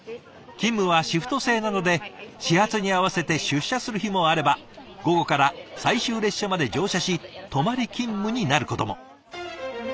勤務はシフト制なので始発に合わせて出社する日もあれば午後から最終列車まで乗車し泊まり勤務になることも。